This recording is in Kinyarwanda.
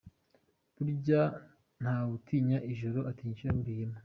Burya ntawutinya ijoro atinya ucyo bahuriyemo.